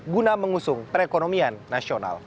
guna mengusung perekonomian nasional